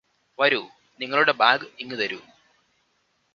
വരൂ നിങ്ങളുടെ ബാഗ് ഇങ്ങുതരൂ